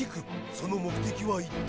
その目的は一体。